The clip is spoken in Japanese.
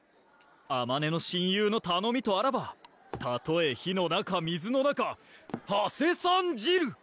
あまねの親友のたのみとあらばたとえ火の中水の中はせさんじる！